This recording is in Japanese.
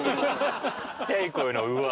ちっちゃい声の「うわ」